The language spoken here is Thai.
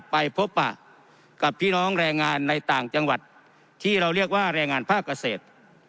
ไปพบปะกับพี่น้องแรงงานในต่างจังหวัดที่เราเรียกว่าแรงงานภาคเกษตร